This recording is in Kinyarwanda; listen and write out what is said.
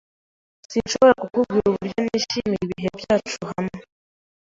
Sinshobora kukubwira uburyo nishimiye ibihe byacu hamwe.